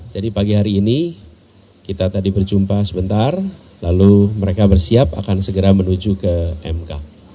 jadi pagi hari ini kita tadi berjumpa sebentar lalu mereka bersiap akan segera menuju ke mk